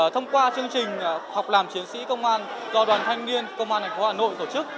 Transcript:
thông qua chương trình học làm chiến sĩ công an do đoàn thanh niên công an tp hà nội tổ chức